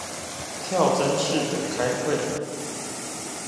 跳針式的開會